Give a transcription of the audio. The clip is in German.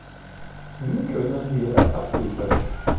Wie können wir das absichern?